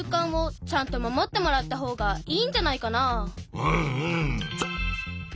うんうん。